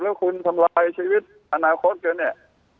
แล้วคุณทำลายชีวิตอนาคตกันเนี่ย